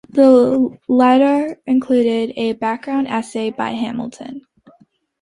The latter includes a background essay by Hamilton.